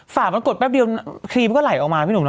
ฝ่ามันกดแป๊บเดียวครีมมันก็ไหลออกมาพี่หนุ่มนะ